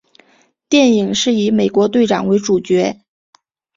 电影是以美国队长为主角。